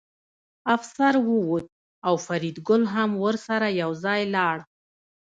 افسر ووت او فریدګل هم ورسره یوځای لاړ